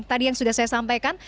tadi yang sudah saya sampaikan